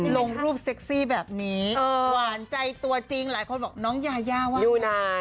ลงรูปเซ็กซี่แบบนี้หวานใจตัวจริงหลายคนบอกน้องยายาว่าไม่ได้